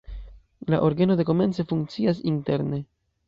La orgeno dekomence funkcias interne.